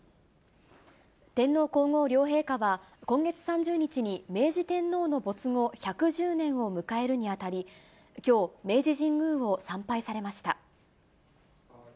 天皇皇后両陛下は、今月３０日に明治天皇の没後１１０年を迎えるにあたり、きょう、明治神宮を参拝されました。